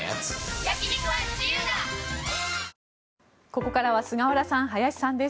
ここからは菅原さん、林さんです。